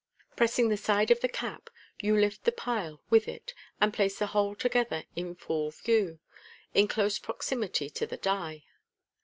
Pressing the side of the cap, you lift the pile with it, and place the whole together in full view, in close proximity to the die.